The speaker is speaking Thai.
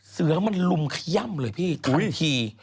เสือมันลุมขย่ำเลยพี่ทันที